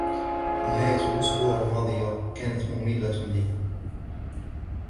نهاية الإسبوع الماضية كانت مملة لي.